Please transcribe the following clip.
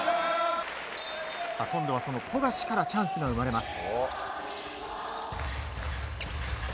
今度は富樫からチャンスが生まれます。